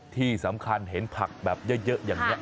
ที่สำคัญเห็นผักแบบเยอะอย่างนี้